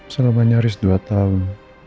selama nyaris dua tahun